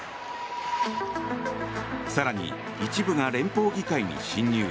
更に、一部が連邦議会に侵入。